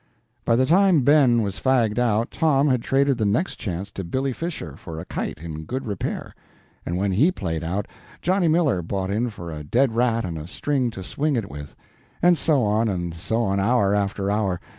By the time Ben was fagged out, Tom had traded the next chance to Billy Fisher for a kite in good repair; and when he played out, Johnny Miller bought in for a dead rat and a string to swing it with; and so on, and so on, hour after hour.